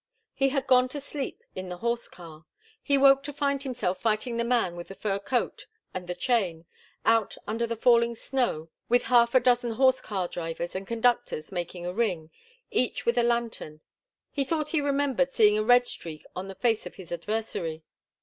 He had gone to sleep in the horse car. He woke to find himself fighting the man with the fur coat and the chain, out under the falling snow, with half a dozen horse car drivers and conductors making a ring, each with a lantern. He thought he remembered seeing a red streak on the face of his adversary.